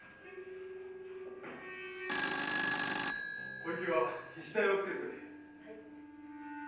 小雪は菱田屋をつけてくれ。